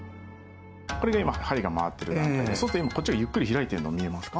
これが今針が回っている感じでそうすると今こっちがゆっくり開いているのが見えますか？